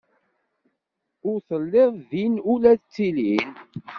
Ur telliḍ din ula d tilin.